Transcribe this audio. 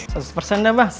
satu persen dah mas